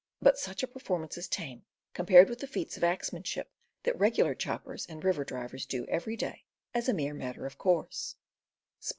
But such a perform AXEMANSHIP 259 ance is tame compared with the feats of axemanship that regular choppers and river drivers do every day as a mere matter of course.